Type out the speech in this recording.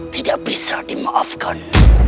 tidak bisa dimaafkan